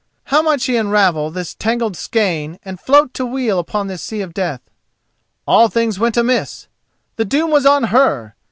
How might she unravel this tangled skein and float to weal upon this sea of death? All things went amiss! The doom was on her!